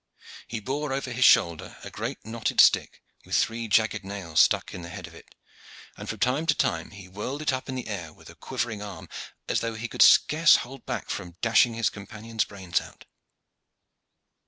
He bore over his shoulder a great knotted stick with three jagged nails stuck in the head of it, and from time to time he whirled it up in the air with a quivering arm, as though he could scarce hold back from dashing his companion's brains out.